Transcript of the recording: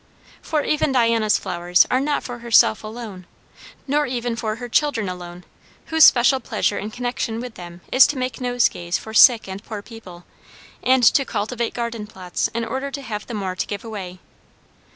For even Diana's flowers are not for herself alone, nor even for her children alone, whose special pleasure in connection with them is to make nosegays for sick and poor people, and to cultivate garden plots in order to have the more to give away.